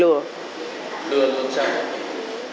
lừa làm sao